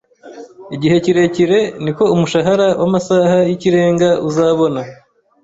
Igihe kirekire, niko umushahara w'amasaha y'ikirenga uzabona.